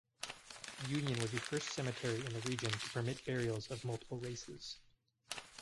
Union was the first cemetery in the region to permit burials of multiple races.